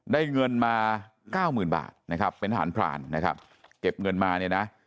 ได้เงินมาเก้าหมื่นบาทนะครับเป็นทหารพรานนะครับเก็บเงินมาเนี่ยนะ